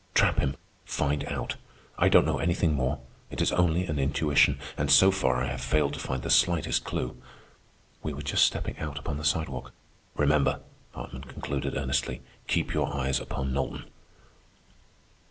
Trap him. Find out. I don't know anything more. It is only an intuition, and so far I have failed to find the slightest clew." We were just stepping out upon the sidewalk. "Remember," Hartman concluded earnestly. "Keep your eyes upon Knowlton."